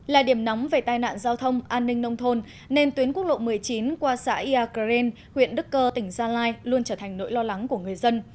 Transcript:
là điểm nóng về tai nạn giao thông an ninh nông thôn nên tuyến quốc lộ một mươi chín qua xã iagreen huyện đức cơ tỉnh gia lai luôn trở thành nỗi lo lắng của người dân